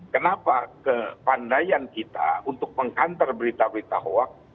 kenapa kepandaian kita untuk mengkantar berita berita hoax